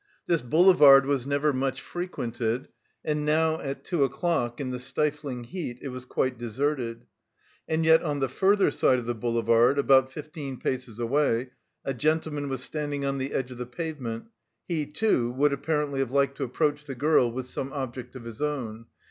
This boulevard was never much frequented; and now, at two o'clock, in the stifling heat, it was quite deserted. And yet on the further side of the boulevard, about fifteen paces away, a gentleman was standing on the edge of the pavement. He, too, would apparently have liked to approach the girl with some object of his own.